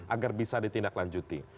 agar bisa ditindaklanjuti